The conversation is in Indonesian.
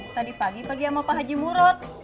tadi pagi pagi sama pak haji murud